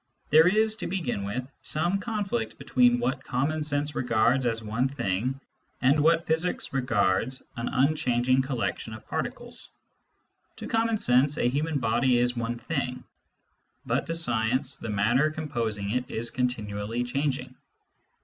There is, to begin with, some conflict between what common sense regards as one thing, and what physics regards an unchanging collection of particles. To common sense, a human body is one thing, but to Digitized by Google io8 SCIENTIFIC METHOD IN PHILOSOPHY science the matter composing it is continually changing.